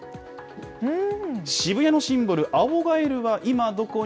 渋谷のシンボル、青ガエルは今どこに？